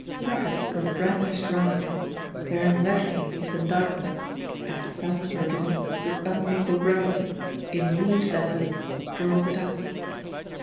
Placards go brandished round him; bearing legibly his indictment, as Sansculottism, with unlegal brevity, "in huge letters," draws it up.